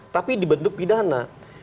tapi dibentuk pidana